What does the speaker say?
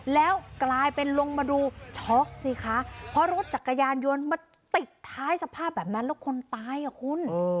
แล้วกลายเป็นลงมาดูช็อกสิคะเพราะรถจักรยานยนต์มาติดท้ายสภาพแบบนั้นแล้วคนตายอ่ะคุณ